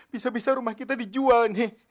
bisa bisa rumah kita dijual nih